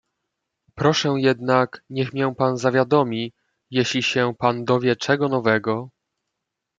"Proszę jednak, niech mię pan zawiadomi, jeżeli się p. dowie czego nowego."